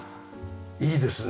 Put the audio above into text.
いいですね。